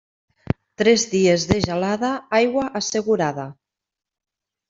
Tres dies de gelada, aigua assegurada.